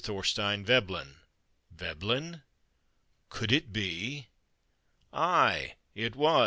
Thorstein Veblen! Veblen? Could it be—? Aye, it was!